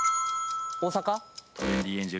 大阪。